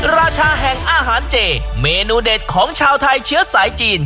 ราชาแห่งอาหารเจเมนูเด็ดของชาวไทยเชื้อสายจีน